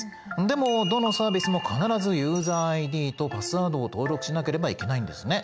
でもどのサービスも必ずユーザＩＤとパスワードを登録しなければいけないんですね。